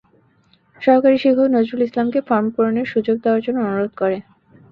সহকারী শিক্ষক নজরুল ইসলামকে ফরম পূরণের সুযোগ দেওয়ার জন্য অনুরোধ করে।